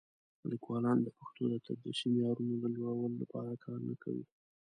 لیکوالان د پښتو د تدریسي معیارونو د لوړولو لپاره کار نه کوي.